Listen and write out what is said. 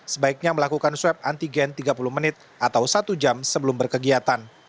sebaiknya melakukan swab antigen tiga puluh menit atau satu jam sebelum berkegiatan